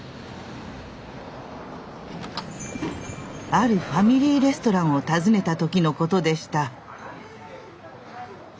あるファミリーレストランを訪ねた時のことでした。